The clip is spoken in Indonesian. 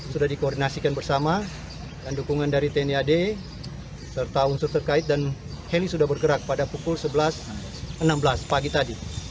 sudah dikoordinasikan bersama dan dukungan dari tni ad serta unsur terkait dan heli sudah bergerak pada pukul sebelas enam belas pagi tadi